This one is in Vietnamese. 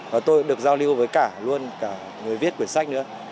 và tôi được giao lưu với cả luôn cả người viết cuốn sách nữa